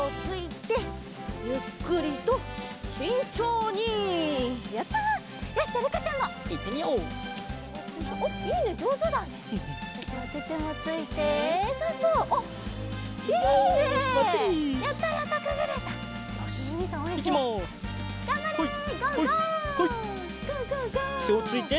てをついて。